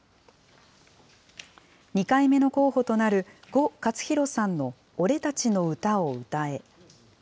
２回目の候補となる呉勝浩さんのおれたちの歌をうたえ。